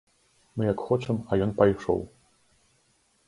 Мы як хочам, а ён пайшоў.